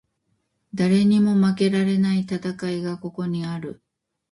誰にも負けられない戦いがここにある